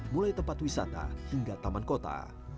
mulai tempat wisata hingga taman kota